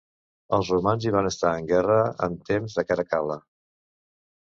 Els romans hi van estar en guerra en temps de Caracal·la.